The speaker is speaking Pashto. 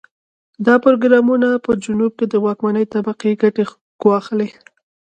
دا پروګرامونه په جنوب کې د واکمنې طبقې ګټې ګواښلې.